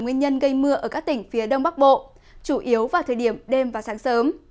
nguyên nhân gây mưa ở các tỉnh phía đông bắc bộ chủ yếu vào thời điểm đêm và sáng sớm